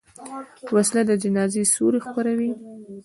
وسله د جنازې سیوري خپروي